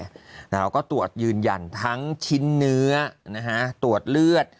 เราก็ตรวจยืนยันทั้งชิ้นเนื้อนะฮะตรวจเลือด